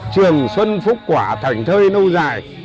trường xuân phúc quả thảnh thơi nâu dài